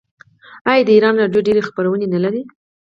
آیا د ایران راډیو ډیرې خپرونې نلري؟